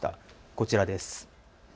こちらです。